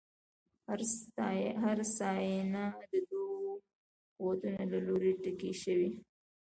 هوساینه د دوو قوتونو له لوري ټکنۍ شوه.